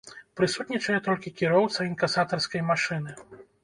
Прысутнічае толькі кіроўца інкасатарскай машыны.